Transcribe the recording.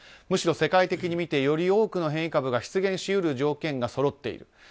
むしろ世界的に見てより多くの変異株が出現し得る条件がそろっている。